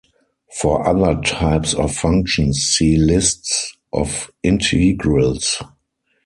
For other types of functions, see lists of integrals.